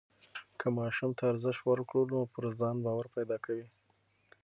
که ماشوم ته ارزښت ورکړو نو پر ځان باور پیدا کوي.